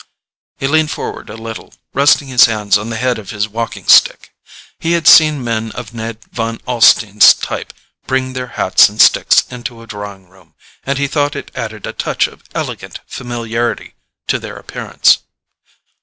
He leaned forward a little, resting his hands on the head of his walking stick. He had seen men of Ned Van Alstyne's type bring their hats and sticks into a drawing room, and he thought it added a touch of elegant familiarity to their appearance.